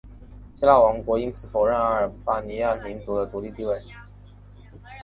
希腊王国因此否认阿尔巴尼亚民族的独立地位。